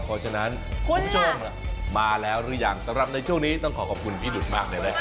เพราะฉะนั้นคุณผู้ชม